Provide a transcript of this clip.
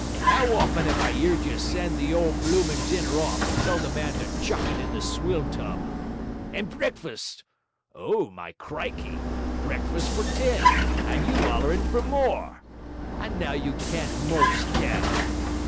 'Ow often 'ave I 'eard you send the 'ole bloomin' dinner off and tell the man to chuck it in the swill tub? And breakfast? Oh, my crikey! breakfast for ten, and you 'ollerin' for more! And now you "can't 'most tell"!